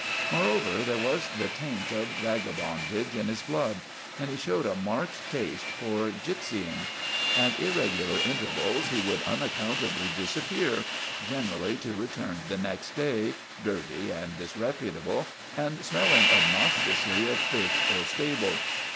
Moreover, there was the taint of vagabondage in his blood, and he showed a marked taste for gip sying. At irregular intervals he would unaccount ably disappear, generally to return the next day, dirty and disreputable, and smelling obnoxiously of fish or stable.